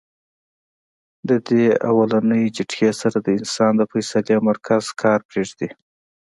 د دې اولنۍ جټکې سره د انسان د فېصلې مرکز کار پرېږدي -